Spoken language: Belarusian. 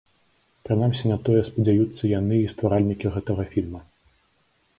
Прынамсі на тое спадзяюцца яны й стваральнікі гэтага фільма.